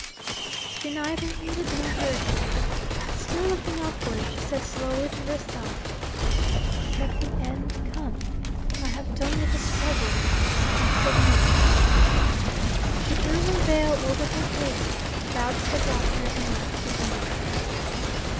She neither heeded nor heard him. Still looking upward, she said slowly to herself, 'Let the end come. I have done with the struggle: I submit.' She drew her veil over her face, bowed to the Doctor, and left the room.